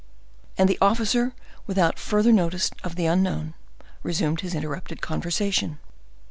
And the officer, without further notice of the unknown, resumed his interrupted conversation.